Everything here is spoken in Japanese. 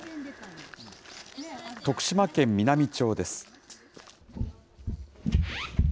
徳島県美波町です。